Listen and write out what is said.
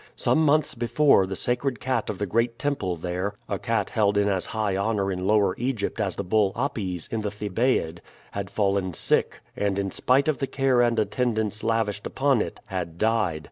Some months before the sacred cat of the great temple there a cat held in as high honor in Lower Egypt as the bull Apis in the Thebaid had fallen sick, and, in spite of the care and attendance lavished upon it, had died.